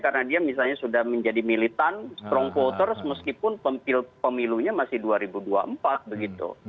karena dia misalnya sudah menjadi militan strong voters meskipun pemilunya masih dua ribu dua puluh empat begitu